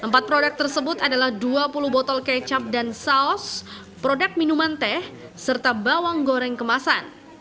empat produk tersebut adalah dua puluh botol kecap dan saus produk minuman teh serta bawang goreng kemasan